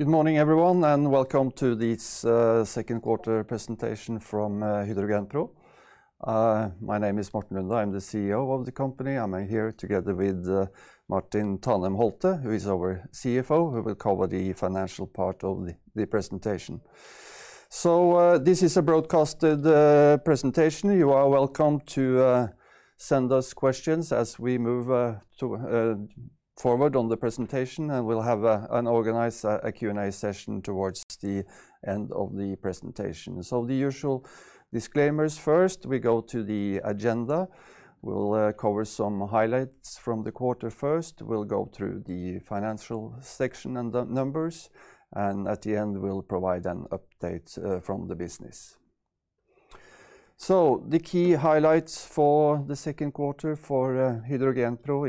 Good morning everyone, and welcome to this second quarter presentation from HydrogenPro. My name is Mårten Lunde. I'm the CEO of the company. I'm here together with Martin Thanem Holtet, who is our CFO, who will cover the financial part of the presentation. This is a broadcasted presentation. You are welcome to send us questions as we move forward on the presentation, and we'll have an organized Q&A session towards the end of the presentation. The usual disclaimers first. We go to the agenda. We'll cover some highlights from the quarter first. We'll go through the financial section and the numbers, and at the end, we'll provide an update from the business. The key highlights for the second quarter for HydrogenPro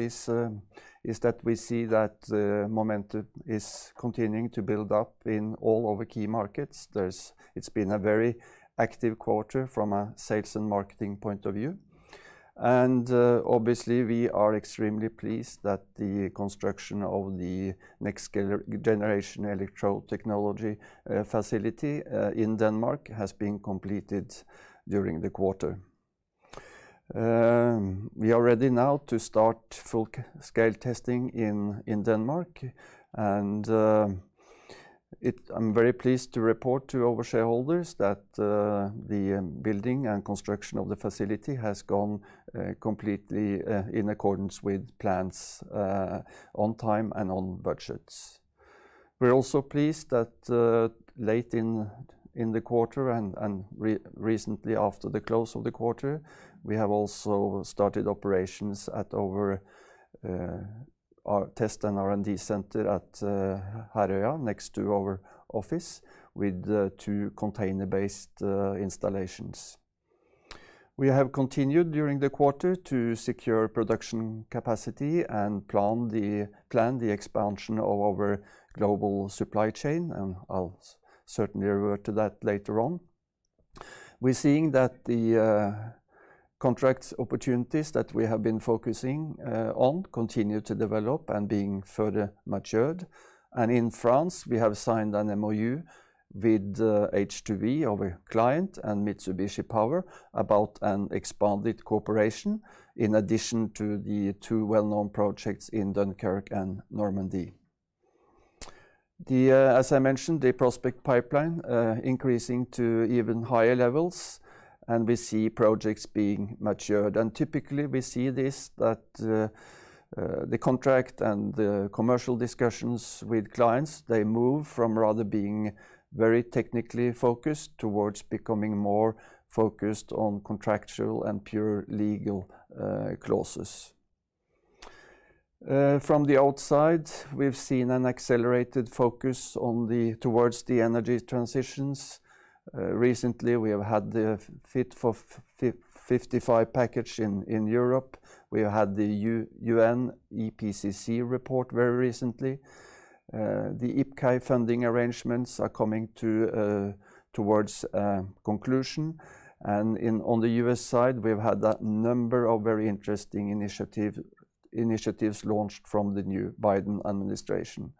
is that we see that the momentum is continuing to build up in all of the key markets. It's been a very active quarter from a sales and marketing point of view. Obviously, we are extremely pleased that the construction of the next-generation electrode technology facility in Denmark has been completed during the quarter. We are ready now to start full-scale testing in Denmark. I'm very pleased to report to our shareholders that the building and construction of the facility has gone completely in accordance with plans, on time and on budgets. We're also pleased that late in the quarter and recently after the close of the quarter, we have also started operations at our test and R&D center at Herøya next to our office with two container-based installations. We have continued during the quarter to secure production capacity and plan the expansion of our global supply chain, and I'll certainly refer to that later on. We're seeing that the contract opportunities that we have been focusing on continue to develop and being further matured. In France, we have signed an MoU with H2V, our client, and Mitsubishi Power about an expanded cooperation, in addition to the two well-known projects in Dunkirk and Normandy. As I mentioned, the prospect pipeline increasing to even higher levels, and we see projects being matured. Typically we see this, that the contract and the commercial discussions with clients, they move from rather being very technically focused towards becoming more focused on contractual and pure legal clauses. From the outside, we've seen an accelerated focus towards the energy transitions. Recently, we have had the Fit for 55 package in Europe. We had the UN IPCC report very recently. The IPCEI funding arrangements are coming towards conclusion, and on the U.S. side, we've had a number of very interesting initiatives launched from the new Biden administration.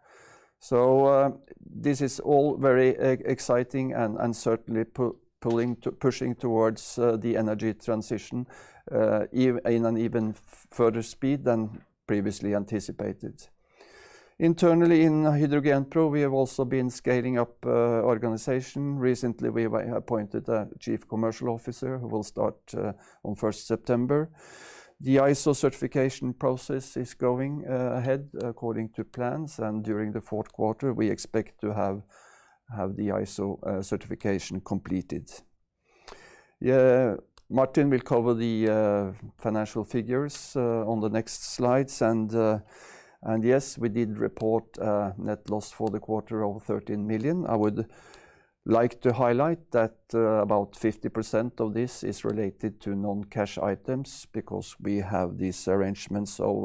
This is all very exciting and certainly pushing towards the energy transition in an even further speed than previously anticipated. Internally in HydrogenPro, we have also been scaling up organization. Recently, we have appointed a Chief Commercial Officer who will start on 1st September. The ISO certification process is going ahead according to plans, and during the fourth quarter, we expect to have the ISO certification completed. Martin will cover the financial figures on the next slides. Yes, we did report a net loss for the quarter of 13 million. I would like to highlight that about 50% of this is related to non-cash items because we have these arrangements of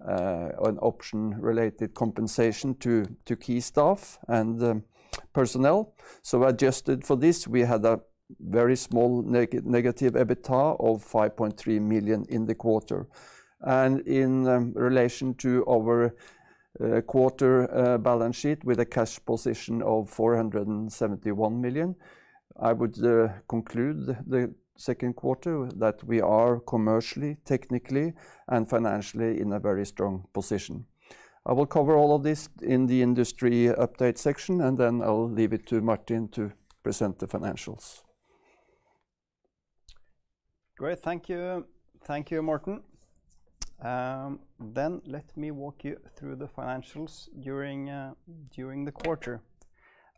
an option related compensation to key staff and personnel. Adjusted for this, we had a very small negative EBITDA of 5.3 million in the quarter. In relation to our quarter balance sheet with a cash position of 471 million, I would conclude the second quarter that we are commercially, technically and financially in a very strong position. I will cover all of this in the industry update section, and then I'll leave it to Martin to present the financials. Great. Thank you, Mårten. Let me walk you through the financials during the quarter.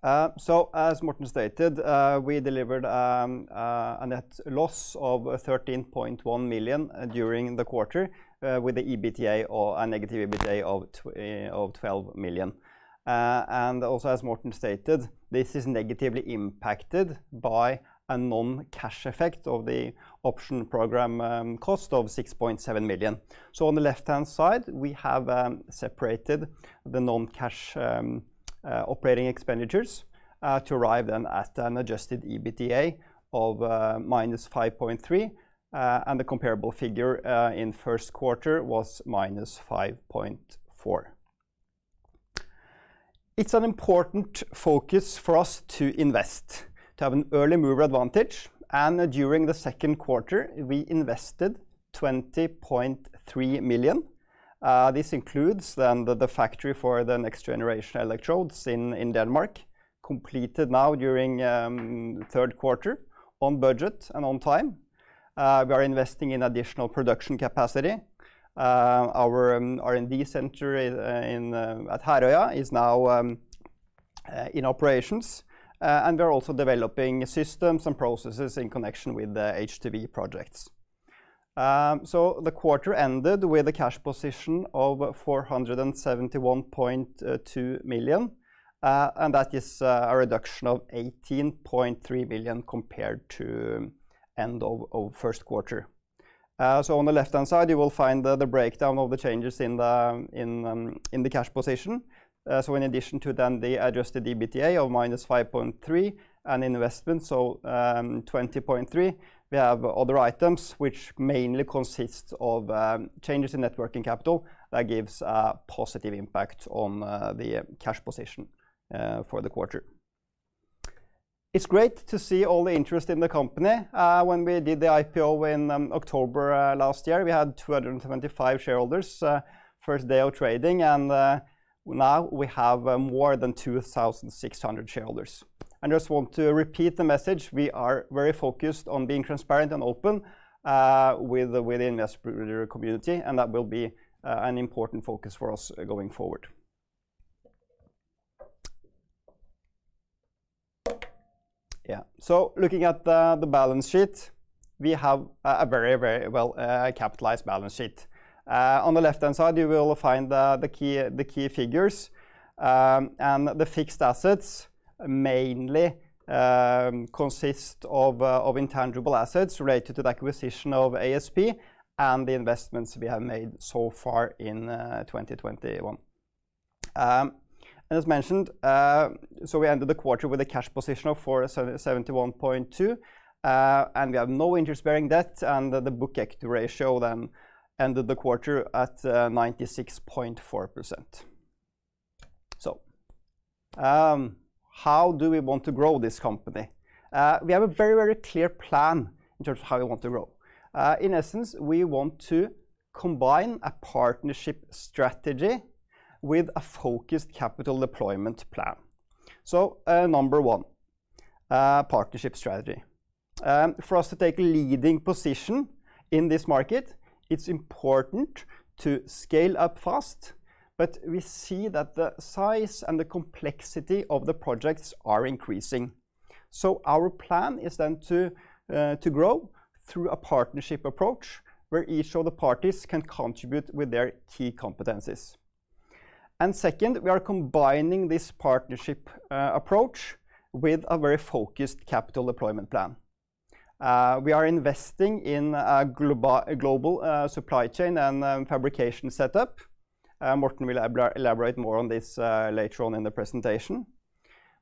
As Mårten stated, we delivered a net loss of 13.1 million during the quarter with a negative EBITDA of 12 million. Also as Mårten stated, this is negatively impacted by a non-cash effect of the option program cost of 6.7 million. On the left-hand side, we have separated the non-cash operating expenditures, to arrive then at an Adjusted EBITDA of -5.3 million. The comparable figure in first quarter was -5.4 million. It's an important focus for us to invest to have an early mover advantage. During the second quarter, we invested 20.3 million. This includes the factory for the next-generation electrodes in Denmark, completed now during the third quarter on budget and on time. We are investing in additional production capacity. Our R&D center at Herøya is now in operations, we are also developing systems and processes in connection with the H2V projects. The quarter ended with a cash position of 471.2 million, that is a reduction of 18.3 million compared to end of first quarter. On the left-hand side, you will find the breakdown of the changes in the cash position. In addition to then the Adjusted EBITDA of -5.3 million and investment, 20.3 million, we have other items which mainly consist of changes in net working capital that gives a positive impact on the cash position for the quarter. It's great to see all the interest in the company. When we did the IPO in October last year, we had 225 shareholders first day of trading, now we have more than 2,600 shareholders. I just want to repeat the message. We are very focused on being transparent and open within the investor community, and that will be an important focus for us going forward. Looking at the balance sheet, we have a very well-capitalized balance sheet. On the left-hand side, you will find the key figures and the fixed assets mainly consist of intangible assets related to the acquisition of ASP and the investments we have made so far in 2021. As mentioned, we ended the quarter with a cash position of 471.2 million and we have no interest-bearing debt and the book equity ratio then ended the quarter at 96.4%. How do we want to grow this company? We have a very clear plan in terms of how we want to grow. In essence, we want to combine a partnership strategy with a focused capital deployment plan. Number one, partnership strategy. For us to take a leading position in this market, it's important to scale up fast, but we see that the size and the complexity of the projects are increasing. Our plan is then to grow through a partnership approach where each of the parties can contribute with their key competencies. Second, we are combining this partnership approach with a very focused capital deployment plan. We are investing in a global supply chain and fabrication setup. Mårten will elaborate more on this later on in the presentation.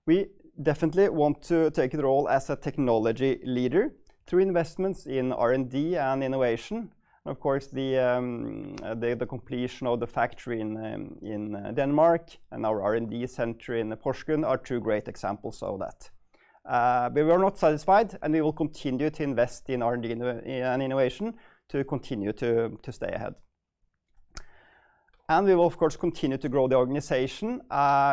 We definitely want to take the role as a technology leader through investments in R&D and innovation. Of course, the completion of the factory in Denmark and our R&D center in Porsgrunn are two great examples of that. We are not satisfied, and we will continue to invest in R&D and innovation to continue to stay ahead. We will, of course, continue to grow the organization.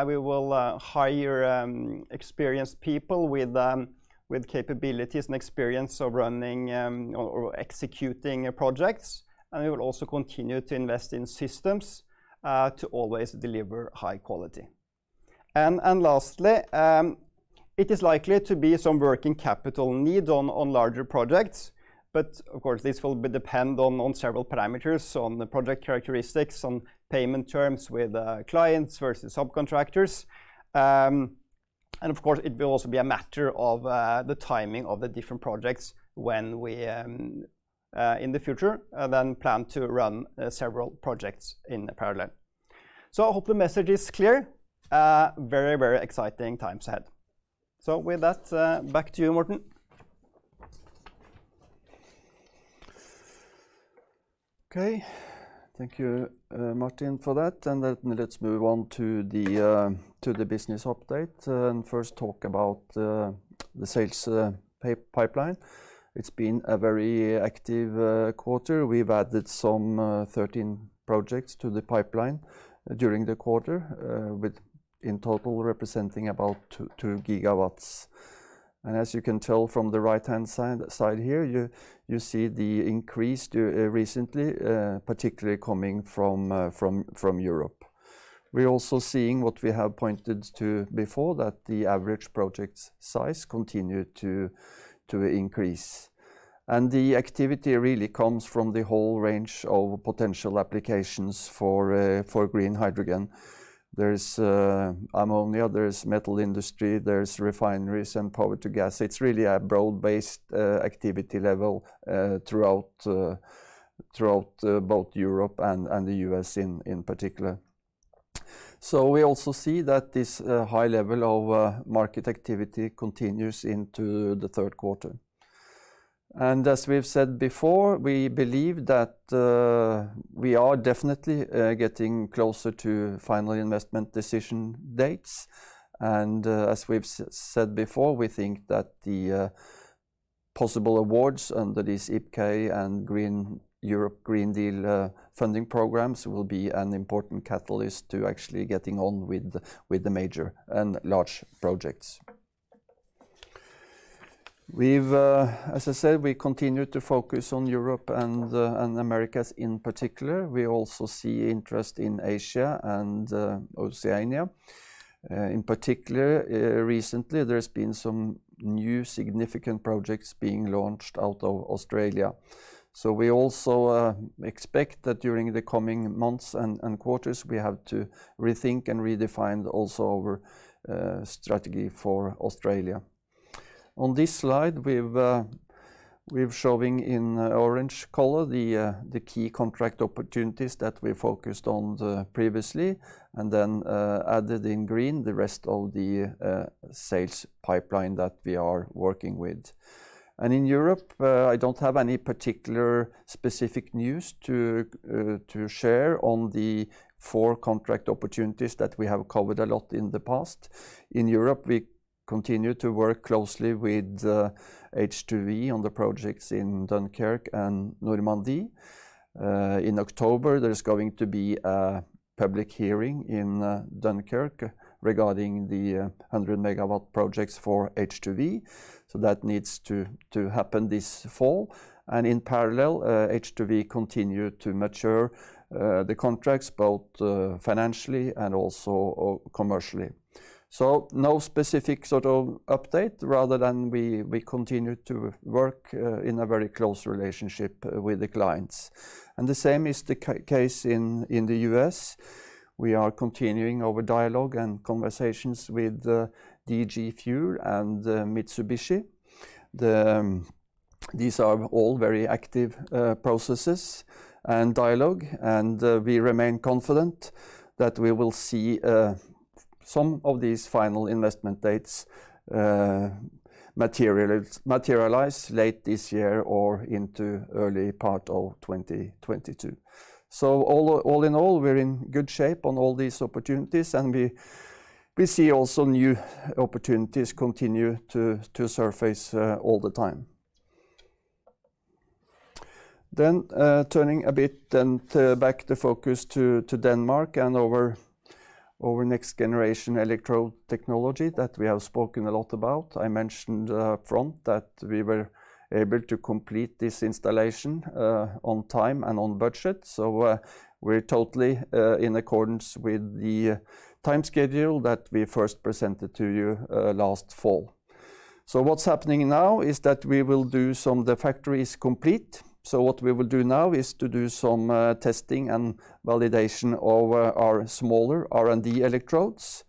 We will hire experienced people with capabilities and experience of running or executing projects, and we will also continue to invest in systems to always deliver high quality. Lastly, it is likely to be some working capital need on larger projects. Of course, this will depend on several parameters on the project characteristics, on payment terms with clients versus subcontractors. Of course, it will also be a matter of the timing of the different projects when we, in the future, then plan to run several projects in parallel. I hope the message is clear. Very exciting times ahead. With that, back to you, Mårten. Thank you, Martin, for that. Let's move on to the business update and first talk about the sales pipeline. It's been a very active quarter. We've added some 13 projects to the pipeline during the quarter, with in total representing about 2 GW. As you can tell from the right-hand side here, you see the increase recently, particularly coming from Europe. We're also seeing what we have pointed to before, that the average project size continued to increase. The activity really comes from the whole range of potential applications for green hydrogen. There is, among the others, metal industry, there's refineries and power to gas. It's really a broad-based activity level throughout both Europe and the U.S. in particular. We also see that this high level of market activity continues into the third quarter. As we've said before, we believe that we are definitely getting closer to final investment decision dates. As we've said before, we think that the possible awards under these IPCEI and European Green Deal funding programs will be an important catalyst to actually getting on with the major and large projects. As I said, we continue to focus on Europe and the Americas in particular. We also see interest in Asia and Oceania. In particular, recently, there's been some new significant projects being launched out of Australia. We also expect that during the coming months and quarters, we have to rethink and redefine also our strategy for Australia. On this slide, we're showing in orange color the key contract opportunities that we focused on previously, then added in green the rest of the sales pipeline that we are working with. In Europe, I don't have any particular specific news to share on the four contract opportunities that we have covered a lot in the past. In Europe, we continue to work closely with H2V on the projects in Dunkirk and Normandy. In October, there is going to be a public hearing in Dunkirk regarding the 100-MW projects for H2V. That needs to happen this fall. In parallel, H2V continue to mature the contracts, both financially and also commercially. No specific update, rather than we continue to work in a very close relationship with the clients. The same is the case in the U.S. We are continuing our dialogue and conversations with DG Fuels and Mitsubishi. These are all very active processes and dialogue, and we remain confident that we will see some of these final investment dates materialize late this year or into early part of 2022. All in all, we're in good shape on all these opportunities, and we see also new opportunities continue to surface all the time. Turning a bit back the focus to Denmark and our next-generation electrode technology that we have spoken a lot about. I mentioned upfront that we were able to complete this installation on time and on budget. We're totally in accordance with the time schedule that we first presented to you last fall. The factory is complete. What we will do now is to do some testing and validation of our smaller R&D electrodes,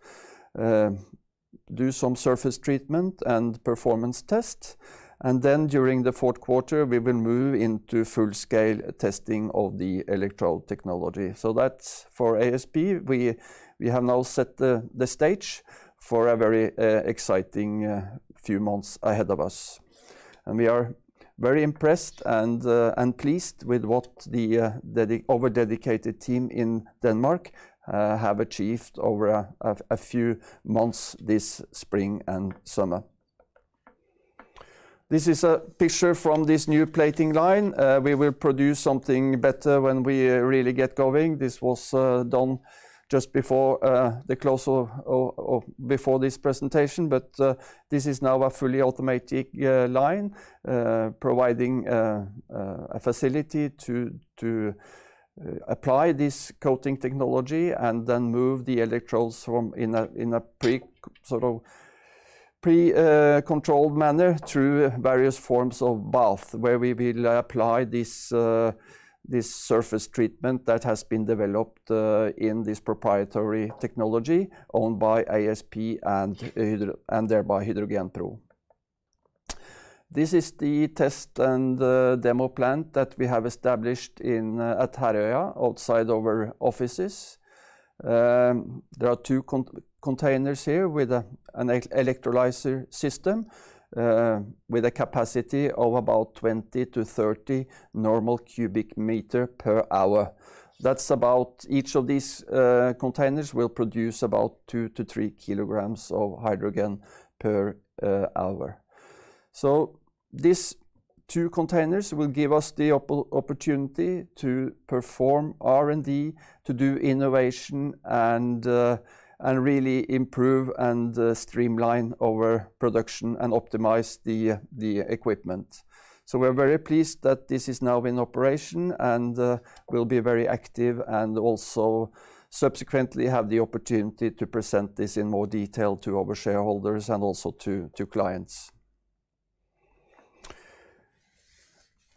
do some surface treatment and performance tests, and then during the fourth quarter, we will move into full-scale testing of the electrode technology. That's for ASP. We have now set the stage for a very exciting few months ahead of us. We are very impressed and pleased with what our dedicated team in Denmark have achieved over a few months this spring and summer. This is a picture from this new plating line. We will produce something better when we really get going. This was done just before this presentation, but this is now a fully-automated line, providing a facility to apply this coating technology and then move the electrodes in a pre-controlled manner through various forms of bath, where we will apply this surface treatment that has been developed in this proprietary technology owned by ASP and thereby HydrogenPro. This is the test and demo plant that we have established at Herøya, outside our offices. There are two containers here with an electrolyser system with a capacity of about 20 cu m/h-30 cu m/h. Each of these containers will produce about 2kg-3 kg of hydrogen per hour. These two containers will give us the opportunity to perform R&D, to do innovation, and really improve and streamline our production and optimize the equipment. We're very pleased that this is now in operation and will be very active and also subsequently have the opportunity to present this in more detail to our shareholders and also to clients.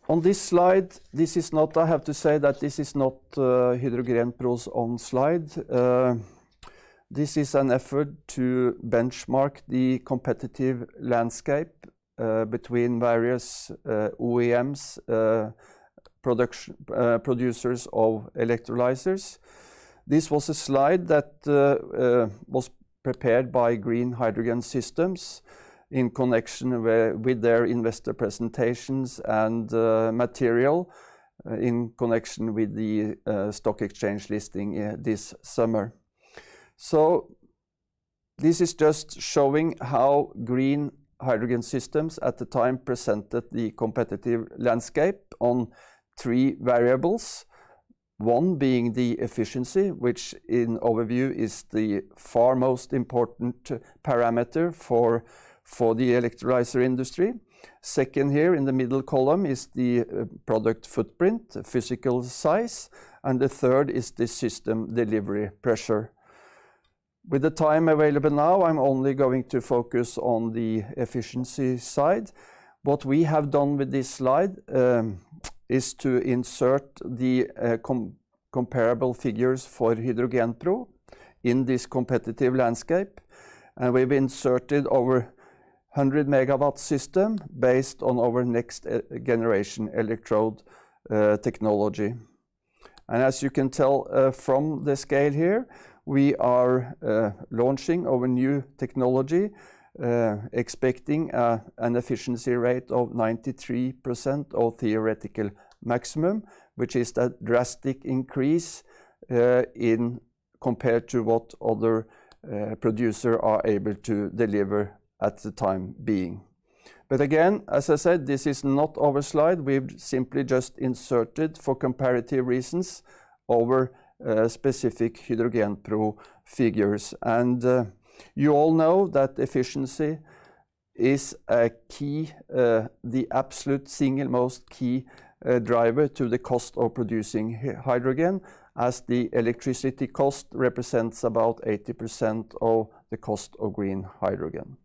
On this slide, I have to say that this is not HydrogenPro's own slide. This is an effort to benchmark the competitive landscape between various OEMs, producers of electrolysers. This was a slide that was prepared by Green Hydrogen Systems in connection with their investor presentations and material in connection with the stock exchange listing this summer. This is just showing how Green Hydrogen Systems at the time presented the competitive landscape on three variables. One being the efficiency, which in overview is the far most important parameter for the electrolyser industry. Second here in the middle column is the product footprint, the physical size, and the third is the system delivery pressure. With the time available now, I'm only going to focus on the efficiency side. What we have done with this slide is to insert the comparable figures for HydrogenPro in this competitive landscape. We've inserted our 100-MW system based on our next-generation electrode technology. As you can tell from the scale here, we are launching our new technology, expecting an efficiency rate of 93% of theoretical maximum, which is a drastic increase compared to what other producers are able to deliver at the time being. Again, as I said, this is not our slide. We've simply just inserted for comparative reasons our specific HydrogenPro figures. You all know that efficiency is the absolute single most key driver to the cost of producing hydrogen, as the electricity cost represents about 80% of the cost of green hydrogen.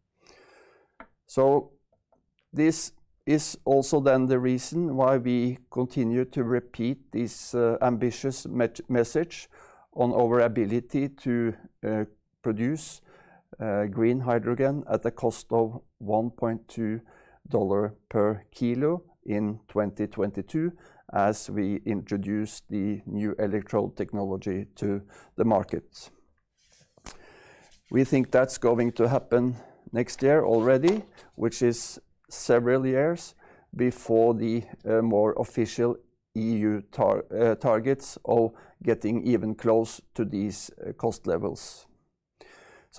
This is also then the reason why we continue to repeat this ambitious message on our ability to produce green hydrogen at the cost of $1.2/kg in 2022 as we introduce the new electrode technology to the market. We think that's going to happen next year already, which is several years before the more official EU targets of getting even close to these cost levels.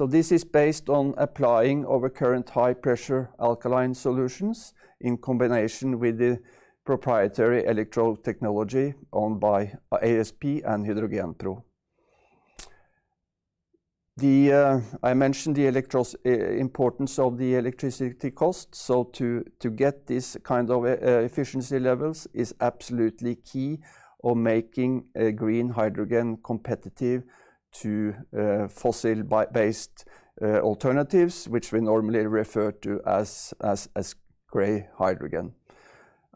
This is based on applying our current high-pressure alkaline solutions in combination with the proprietary electrode technology owned by ASP and HydrogenPro. I mentioned the importance of the electricity cost. To get this kind of efficiency levels is absolutely key on making green hydrogen competitive to fossil-based alternatives, which we normally refer to as grey hydrogen.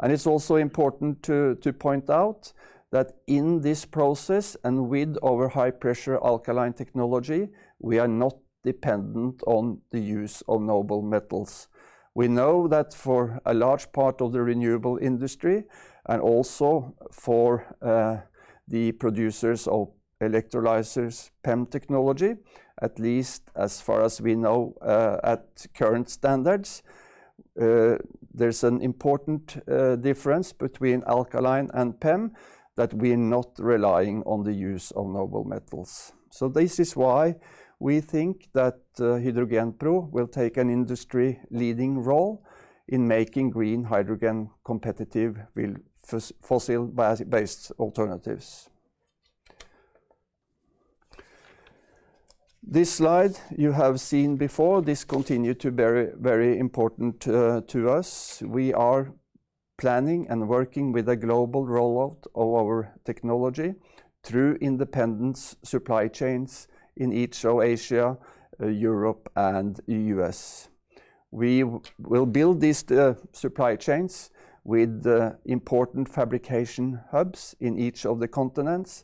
It's also important to point out that in this process and with our high-pressure alkaline technology, we are not dependent on the use of noble metals. We know that for a large part of the renewable industry and also for the producers of electrolysers PEM technology, at least as far as we know at current standards, there's an important difference between alkaline and PEM that we're not relying on the use of noble metals. This is why we think that HydrogenPro will take an industry-leading role in making green hydrogen competitive with fossil-based alternatives. This slide you have seen before. This continue to very important to us. We are planning and working with a global rollout of our technology through independent supply chains in each of Asia, Europe, and U.S. We will build these supply chains with important fabrication hubs in each of the continents,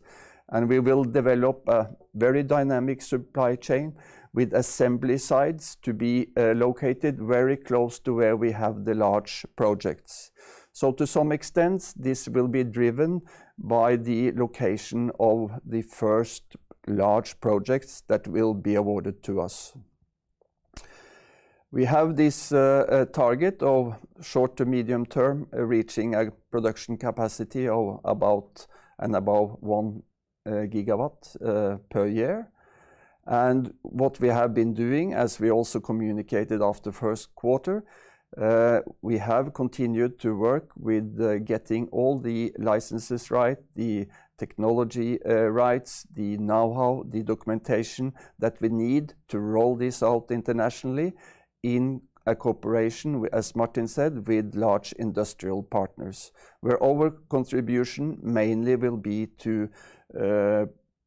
we will develop a very dynamic supply chain with assembly sites to be located very close to where we have the large projects. To some extent, this will be driven by the location of the first large projects that will be awarded to us. We have this target of short to medium term, reaching a production capacity of about and above 1 GW per year. What we have been doing, as we also communicated after first quarter, we have continued to work with getting all the licenses right, the technology rights, the knowhow, the documentation that we need to roll this out internationally in a cooperation, as Martin said, with large industrial partners, where our contribution mainly will be to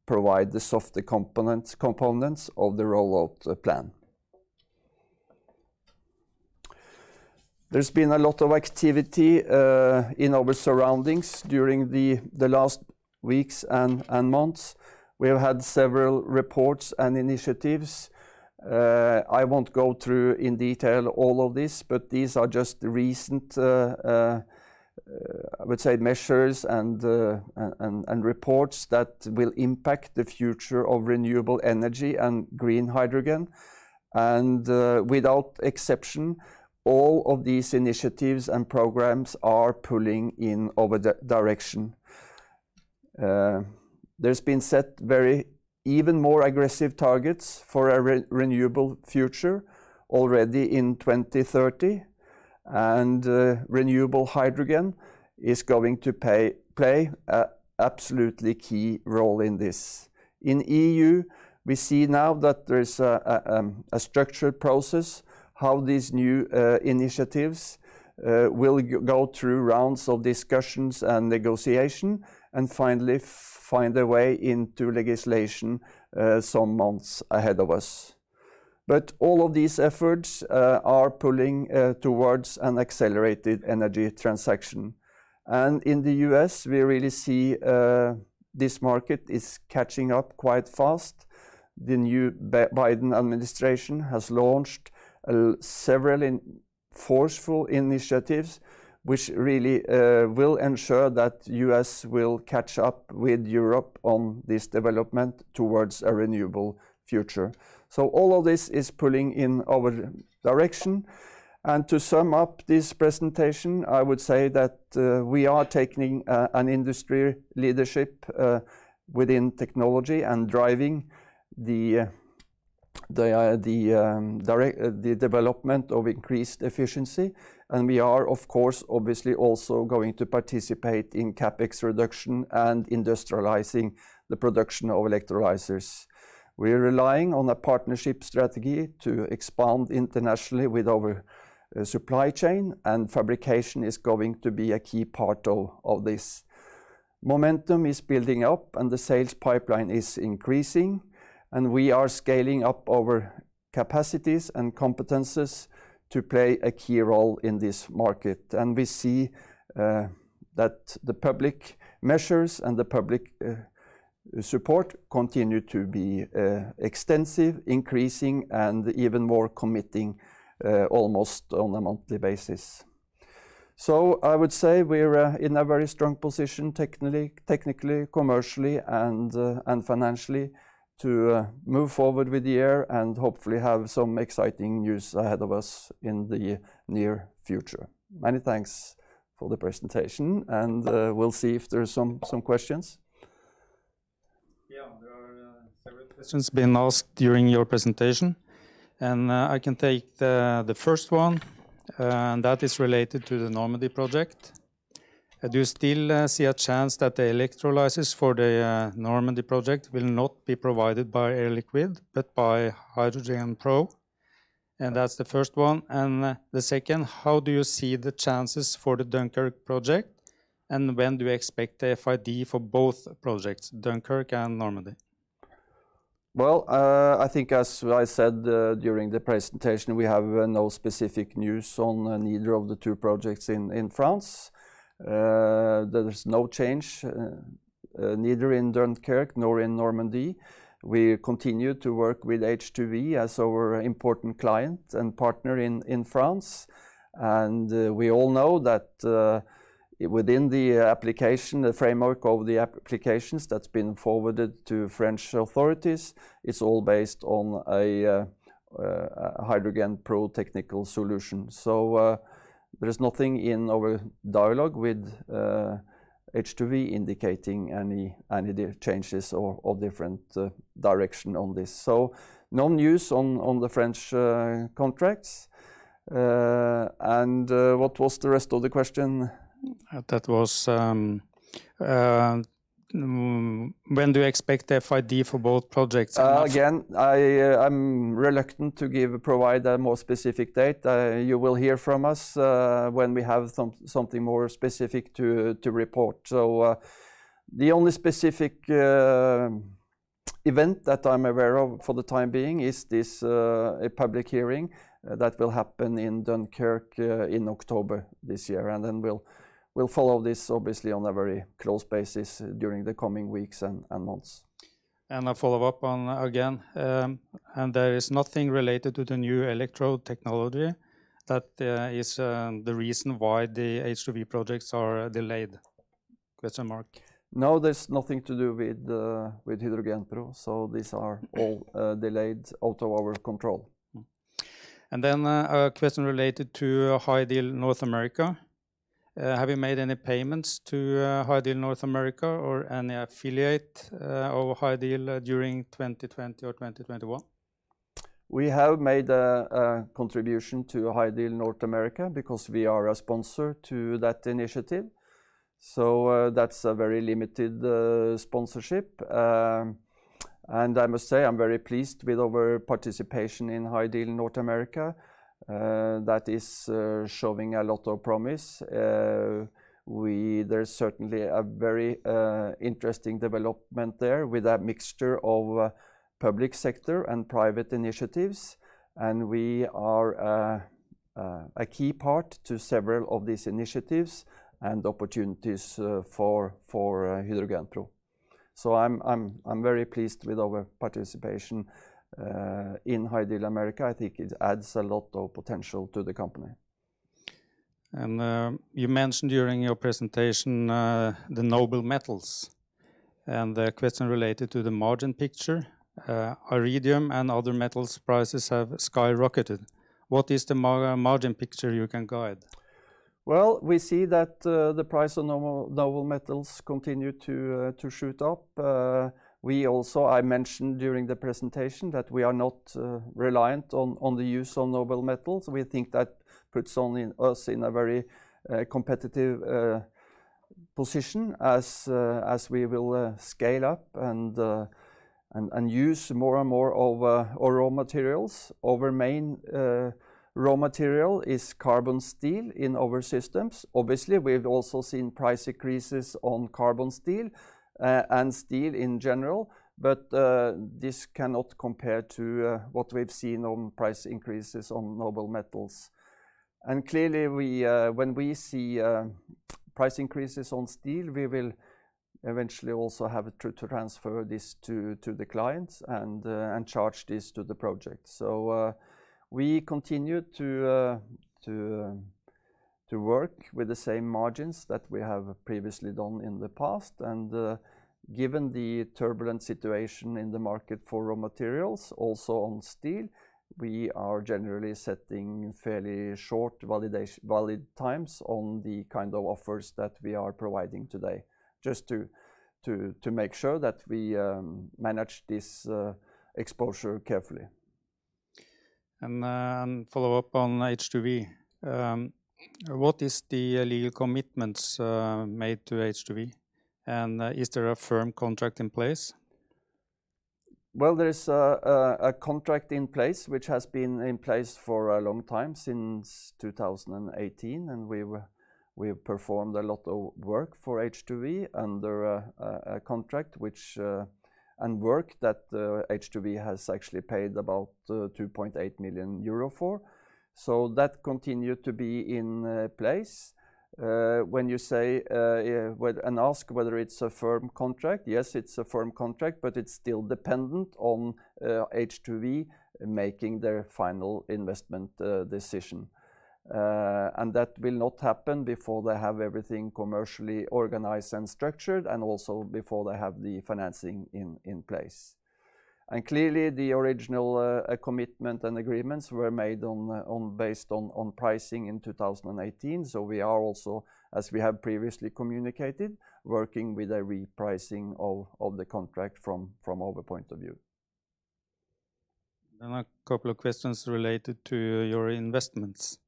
provide the softer components of the rollout plan. There's been a lot of activity in our surroundings during the last weeks and months. We have had several reports and initiatives. I won't go through in detail all of this, but these are just recent, I would say, measures and reports that will impact the future of renewable energy and green hydrogen. Without exception, all of these initiatives and programs are pulling in our direction. There's been set even more aggressive targets for a renewable future already in 2030, and renewable hydrogen is going to play an absolutely key role in this. In E.U., we see now that there is a structured process, how these new initiatives will go through rounds of discussions and negotiation and finally find a way into legislation some months ahead of us. All of these efforts are pulling towards an accelerated energy transaction. In the U.S., we really see this market is catching up quite fast. The new Biden administration has launched several forceful initiatives, which really will ensure that U.S. will catch up with Europe on this development towards a renewable future. All of this is pulling in our direction. To sum up this presentation, I would say that we are taking an industry leadership within technology and driving the development of increased efficiency. We are, of course, obviously also going to participate in CapEx reduction and industrializing the production of electrolysers. We are relying on a partnership strategy to expand internationally with our supply chain, and fabrication is going to be a key part of this. Momentum is building up and the sales pipeline is increasing, and we are scaling up our capacities and competences to play a key role in this market. We see that the public measures and the public support continue to be extensive, increasing, and even more committing almost on a monthly basis. I would say we're in a very strong position technically, commercially, and financially to move forward with the year and hopefully have some exciting news ahead of us in the near future. Many thanks for the presentation, and we'll see if there's some questions. There are several questions been asked during your presentation. I can take the first one. That is related to the Normandy project. Do you still see a chance that the electrolysers for the Normandy project will not be provided by Air Liquide but by HydrogenPro? That's the first one. The second, how do you see the chances for the Dunkirk project, and when do you expect FID for both projects, Dunkirk and Normandy? I think as I said during the presentation, we have no specific news on neither of the two projects in France. There's no change neither in Dunkirk nor in Normandy. We continue to work with H2V as our important client and partner in France. We all know that within the application, the framework of the applications that's been forwarded to French authorities, it's all based on a HydrogenPro technical solution. There is nothing in our dialogue with H2V indicating any changes or different direction on this. No news on the French contracts. What was the rest of the question? That was, when do you expect FID for both projects? Again, I'm reluctant to provide a more specific date. You will hear from us when we have something more specific to report. The only specific event that I'm aware of for the time being is this public hearing that will happen in Dunkirk in October this year, and then we'll follow this obviously on a very close basis during the coming weeks and months. A follow-up on, again, there is nothing related to the new electrode technology that is the reason why the H2V projects are delayed? No, there's nothing to do with HydrogenPro. These are all delayed out of our control. A question related to HyDeal North America. Have you made any payments to HyDeal North America or any affiliate of HyDeal during 2020 or 2021? We have made a contribution to HyDeal North America because we are a sponsor to that initiative. That's a very limited sponsorship. I must say, I'm very pleased with our participation in HyDeal North America. That is showing a lot of promise. There's certainly a very interesting development there with a mixture of public sector and private initiatives, and we are a key part to several of these initiatives and opportunities for HydrogenPro. I'm very pleased with our participation in HyDeal North America. I think it adds a lot of potential to the company. You mentioned during your presentation the noble metals and the question related to the margin picture. Iridium and other metals prices have skyrocketed. What is the margin picture you can guide? Well, we see that the price of noble metals continue to shoot up. I mentioned during the presentation that we are not reliant on the use of noble metals. We think that puts us in a very competitive position as we will scale up and use more and more of our raw materials. Our main raw material is carbon steel in our systems. Obviously, we've also seen price increases on carbon steel and steel in general, but this cannot compare to what we've seen on price increases on noble metals. Clearly, when we see price increases on steel, we will eventually also have to transfer this to the clients and charge this to the project. We continue to work with the same margins that we have previously done in the past. Given the turbulent situation in the market for raw materials also on steel, we are generally setting fairly short valid times on the kind of offers that we are providing today, just to make sure that we manage this exposure carefully. Follow up on H2V. What is the legal commitments made to H2V, and is there a firm contract in place? Well, there is a contract in place, which has been in place for a long time, since 2018, we have performed a lot of work for H2V under a contract, work that H2V has actually paid about 2.8 million euro for. That continued to be in place. When you ask whether it's a firm contract, yes, it's a firm contract, but it's still dependent on H2V making their final investment decision. That will not happen before they have everything commercially organized and structured and also before they have the financing in place. Clearly, the original commitment and agreements were made based on pricing in 2018. We are also, as we have previously communicated, working with a repricing of the contract from our point of view. A couple of questions related to your investments.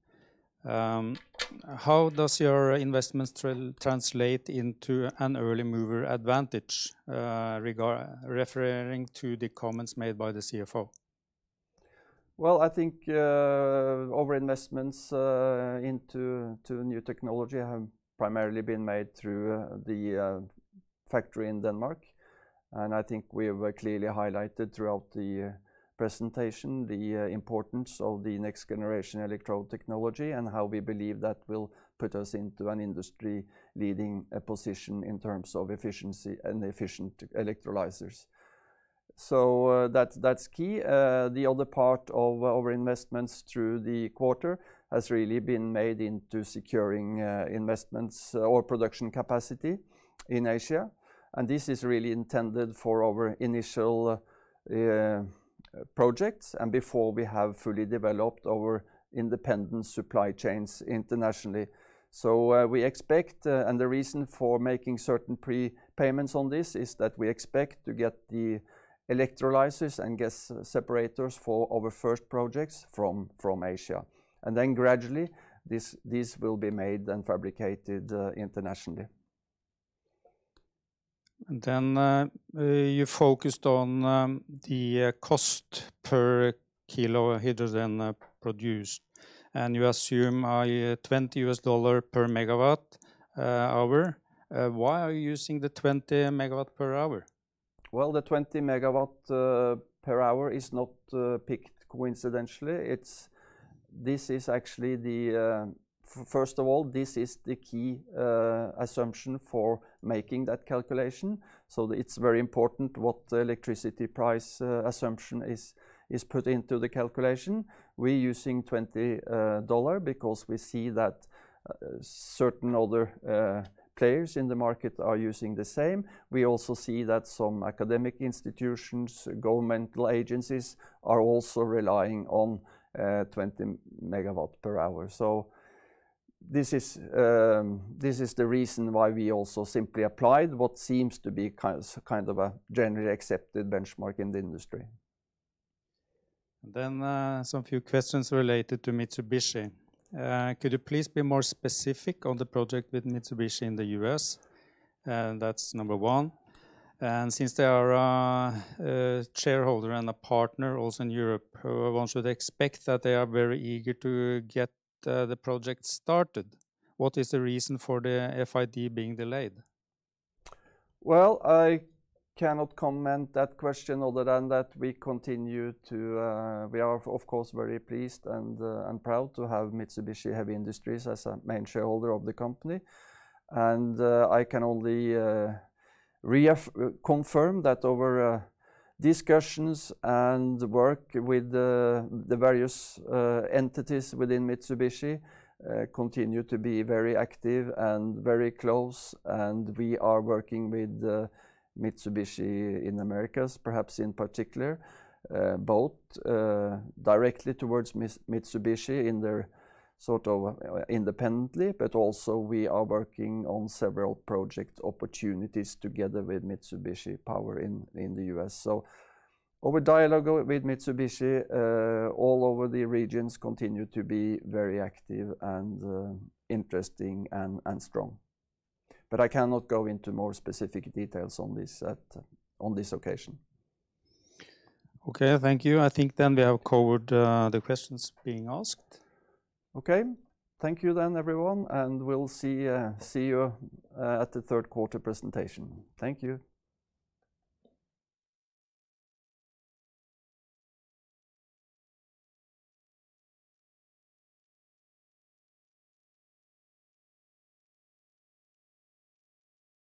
How does your investments translate into an early mover advantage referring to the comments made by the CFO? Well, I think our investments into new technology have primarily been made through the factory in Denmark. I think we have clearly highlighted throughout the presentation the importance of the next-generation electrode technology and how we believe that will put us into an industry-leading position in terms of efficiency and efficient electrolysers. That's key. The other part of our investments through the quarter has really been made into securing investments or production capacity in Asia. This is really intended for our initial projects and before we have fully developed our independent supply chains internationally. The reason for making certain prepayments on this is that we expect to get the electrolysers and gas separators for our first projects from Asia. Gradually, these will be made and fabricated internationally. You focused on the cost per kilo of hydrogen produced, and you assume a $20/MWh. Why are you using the $20/MWh? Well, the $20/MWh is not picked coincidentally. First of all, this is the key assumption for making that calculation. It's very important what electricity price assumption is put into the calculation. We're using $20/MWh because we see that certain other players in the market are using the same. We also see that some academic institutions, governmental agencies, are also relying on $20/MWh. This is the reason why we also simply applied what seems to be a generally accepted benchmark in the industry. Some few questions related to Mitsubishi. Could you please be more specific on the project with Mitsubishi in the U.S.? That's number one. Since they are a shareholder and a partner also in Europe, one should expect that they are very eager to get the project started. What is the reason for the FID being delayed? I cannot comment that question other than that we are, of course, very pleased and proud to have Mitsubishi Heavy Industries as a main shareholder of the company. I can only reconfirm that our discussions and work with the various entities within Mitsubishi continue to be very active and very close, and we are working with Mitsubishi in Americas, perhaps in particular, both directly towards Mitsubishi independently, but also we are working on several project opportunities together with Mitsubishi Power in the U.S. Our dialogue with Mitsubishi all over the regions continue to be very active and interesting and strong. I cannot go into more specific details on this occasion. Okay. Thank you. I think we have covered the questions being asked. Okay. Thank you then, everyone, and we'll see you at the third quarter presentation. Thank you.